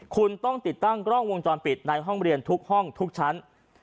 คุณต้องติดตั้งกล้องวงจรปิดในห้องเรียนทุกห้องทุกชั้น